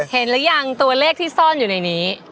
หรือยังตัวเลขที่ซ่อนอยู่ในนี้